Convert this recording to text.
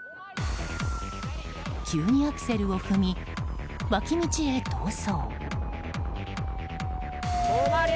急にアクセルを踏み脇道へ逃走。